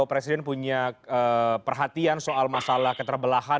presiden punya perhatian soal masalah keterbelahan